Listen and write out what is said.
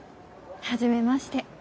初めまして。